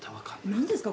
何ですか？